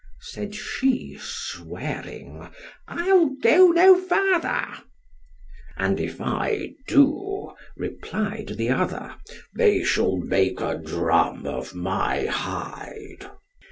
said she, swearing, I'll go no further——And if I do, replied the other, they shall make a drum of my hide.